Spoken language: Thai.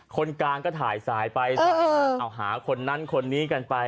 คนกลางก็ถ่ายสายไปเอาหาคนนั้นคนนี้กันไป